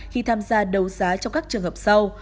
khi tham gia đấu giá trong các trường hợp sau